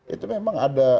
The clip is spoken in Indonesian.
itu memang ada